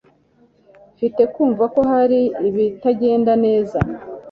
Mfite kumva ko hari ibitagenda neza